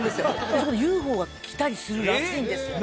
そこにＵＦＯが来たりするらしいんですよ